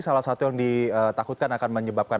salah satu yang ditakutkan akan menyebabkan